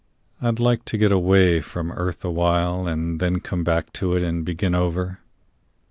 I'd like to get away from earth awhile And then come back to it and begin over.